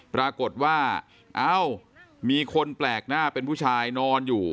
ปรากฏว่าเอ้ามีคนแปลกหน้าเป็นผู้ชายนอนอยู่